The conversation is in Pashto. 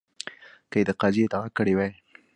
که یې د قاضي ادعا کړې وي.